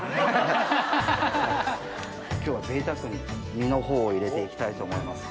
今日は贅沢に身のほうを入れて行きたいと思います。